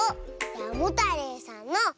モタレイさんの「モ」！